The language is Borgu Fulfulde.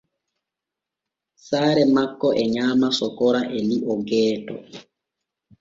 Saare makko e nyaama sokora e li’o gooto.